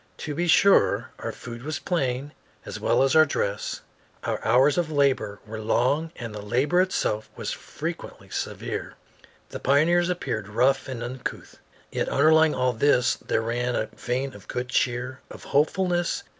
To be sure, our food was plain as well as our dress; our hours of labor were long and the labor itself was frequently severe; the pioneers appeared rough and uncouth. Yet underlying all this there ran a vein of good cheer, of hopefulness.